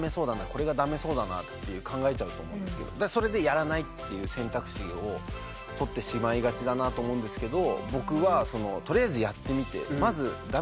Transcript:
これがダメそうだなって考えちゃうと思うんですけどそれでやらないっていう選択肢をとってしまいがちだなと思うんですけど